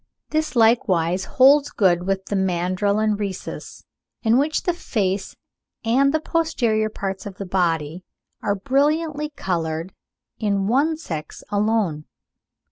This likewise holds good with the mandrill and Rhesus, in which the face and the posterior parts of the body are brilliantly coloured in one sex alone.